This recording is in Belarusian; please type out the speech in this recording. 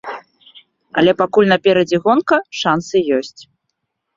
Але пакуль наперадзе гонка, шансы ёсць.